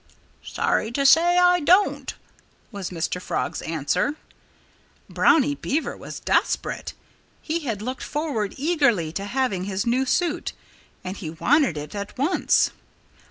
"Sorry to say I don't," was Mr. Frog's answer. Brownie Beaver was desperate. He had looked forward eagerly to having his new suit. And he wanted it at once.